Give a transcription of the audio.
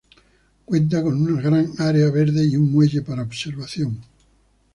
Cuenta con un gran área verde y un muelle para observación.